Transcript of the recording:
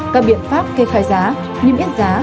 các biện pháp kê khai giá nhiêm yết giá